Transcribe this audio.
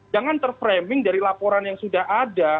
jangan terframing dari laporan yang sudah ada gitu loh